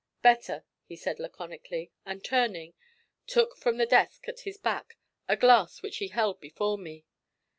'Better,' he said laconically, and turning, took from the desk at his back a glass which he held before me.